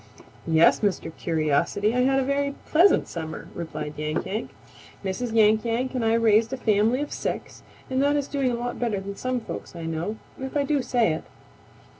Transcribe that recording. "Yes, Mr. Curiosity, I had a very pleasant summer," replied Yank Yank. "Mrs. Yank Yank and I raised a family of six and that is doing a lot better than some folks I know, if I do say it.